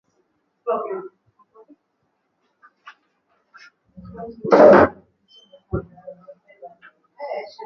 Mbuzi na twiga pia hupata ugonjwa wa kupinda shingo